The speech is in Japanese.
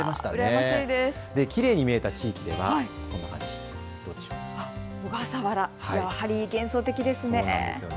きれいに見えた地域では小笠原、やはり幻想的ですね。